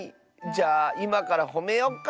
じゃあいまからほめよっか。